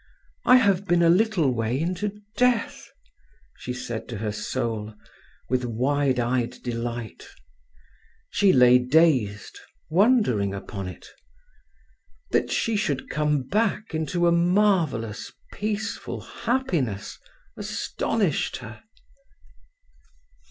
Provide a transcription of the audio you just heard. I have been a little way into death!" she said to her soul, with wide eyed delight. She lay dazed, wondering upon it. That she should come back into a marvellous, peaceful happiness astonished her.